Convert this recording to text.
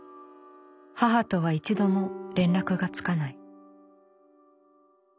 母とは一度も連絡がつかない。